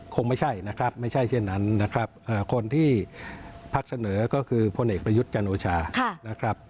คงไม่ใช่นะครับไม่ใช่เช่นนั้นนะครับคนที่พักเสนอก็คือพลเอกประยุทธ์จันโอชานะครับ